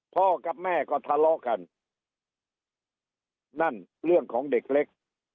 พ่อกับแม่ก็ทะเลาะกันนั่นเรื่องของเด็กเล็ก